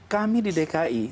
kami di dki